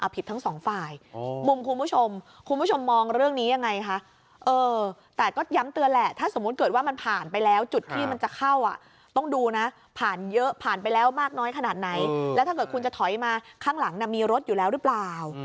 ผ่านไปแล้วมากน้อยขนาดไหนแล้วถ้าเกิดคุณจะถอยมาข้างหลังมีรถอยู่แล้วหรือเปล่า